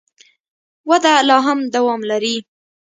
وده لا هم دوام لري.